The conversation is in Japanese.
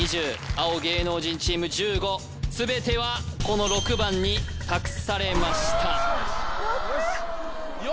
青・芸能人チーム１５全てはこの６番に託されましたよ